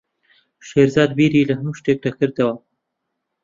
شێرزاد بیری لە هەموو شتێک دەکردەوە.